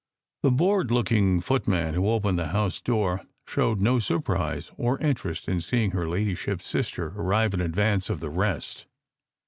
The bored looking footman who opened the house door showed no surprise or interest on seeing her Ladyship s sister arrive in advance of the rest.